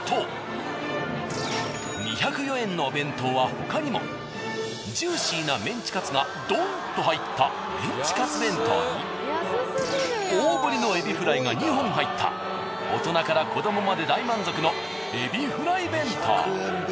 ２０４円のお弁当は他にもジューシーなメンチカツがドンと入ったメンチカツ弁当に大ぶりのエビフライが２本入った大人から子どもまで大満足のエビフライ弁当。